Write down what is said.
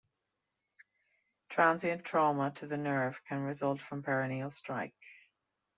Transient trauma to the nerve can result from peroneal strike.